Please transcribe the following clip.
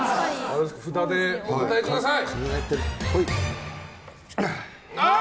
札でお答えください！